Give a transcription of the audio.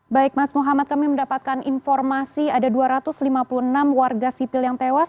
baik mas muhammad kami mendapatkan informasi ada dua ratus lima puluh enam warga sipil yang tewas